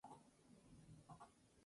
Chile-España, Av.